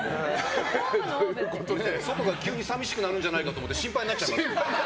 外が急に寂しくなるんじゃないかと思って心配になっちゃいました。